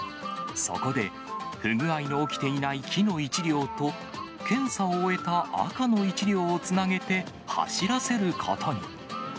そこで、不具合の起きていない黄の１両と、検査を終えた赤の１両をつなげて走らせることに。